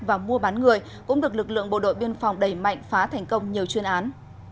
và mua bán người cũng được lực lượng bộ đội biên phòng đẩy mạnh phá thành công nhiều chuyên án